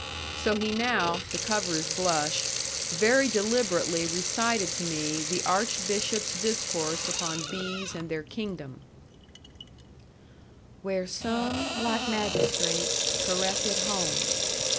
So he now, to cover his blush, very deliberately recited to me the Archbishop's discourse upon bees and their kingdom: "'Where some, like magistrates, correct at home...